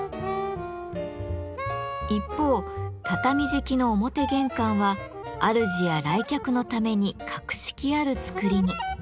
一方畳敷きの表玄関はあるじや来客のために格式ある造りに。